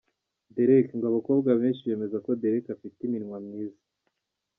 Derek : Ngo abakobwa benshi bemeza ko Derek afite iminwa myiza.